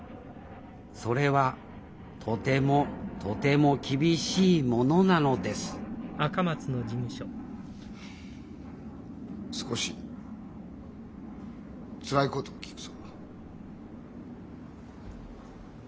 それはとてもとても厳しいものなのです少しつらいことを聞くぞ。